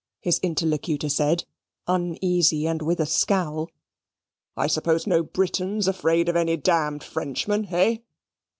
his interlocutor said, uneasy and with a scowl. "I suppose no Briton's afraid of any d Frenchman, hey?"